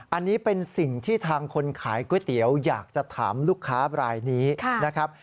อันนี้เป็นสิ่งที่ทางคนขายก๋วยเตี๋ยวอยากจะถามลูกค้ารายนี้นะครับ